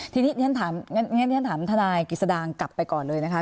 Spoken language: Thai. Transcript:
ทีนี้ฉันถามทนายกิจสดางกลับไปก่อนเลยนะคะ